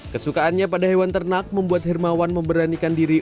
kesukaannya pada hewan ternak membuat hermawan memberanikan diri